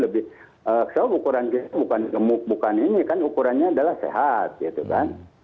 lebih tahu ukuran kita bukan gemuk bukan ini kan ukurannya adalah sehat gitu kan